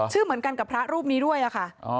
เหมือนกันกับพระรูปนี้ด้วยค่ะ